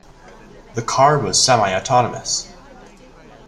The car was semi-autonomous.